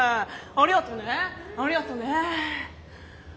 ありがとねありがとね。